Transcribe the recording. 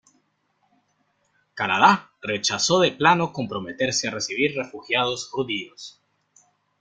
Canadá rechazó de plano comprometerse a recibir refugiados judíos.